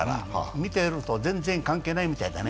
見ていると全然関係ないみたいだね。